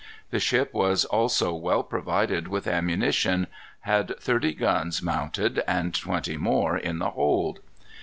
The ship was also well provided with ammunition, had thirty guns mounted, and twenty more in the hold.